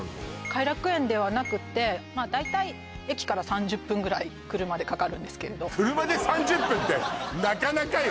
偕楽園ではなくてまあ大体駅から３０分ぐらい車でかかるんですけれど車で３０分ってなかなかよ